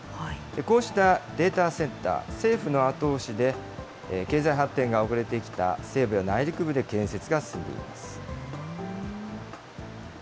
こうしたデータセンター、政府の後押しで、経済発展が遅れてきた西部や内陸部で建設が進んでいます。